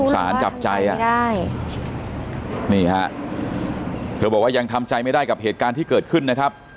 สารจับใจอ่ะนี่ฮะเธอบอกว่ายังทำใจไม่ได้กับเหตุการณ์ที่เกิดขึ้นนะครับ